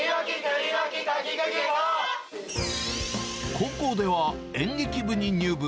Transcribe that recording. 高校では演劇部に入部。